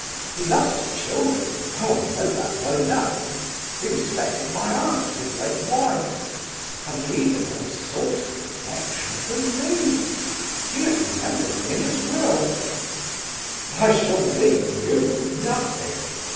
He loves his children—oh, I know that well enough! He respected my aunt, his late wife... and he even has a sort of affection for me. He has remembered me in his will." "I shall leave you nothing!"